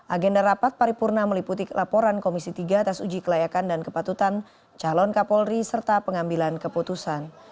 agenda rapat paripurna meliputi laporan komisi tiga atas uji kelayakan dan kepatutan calon kapolri serta pengambilan keputusan